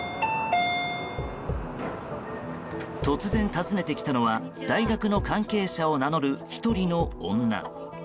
突然、訪ねてきたのは大学の関係者を名乗る１人の女。